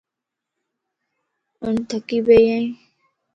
آن ٿڪي پئي ائين